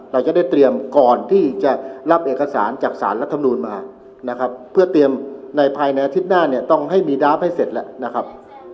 เราจะได้เตรียมก่อนที่จะรับเอกสารจากสารรัฐมนูลมานะครับเพื่อเตรียมในภายในอาทิตย์หน้าเนี่ยต้องให้มีดดาฟให้เสร็จแล้วนะครับ